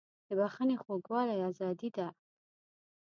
د بښنې خوږوالی ازادي ده.